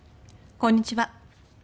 こんにちは。